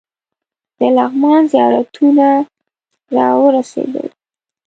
د لغمان زیارتونه راورسېدل.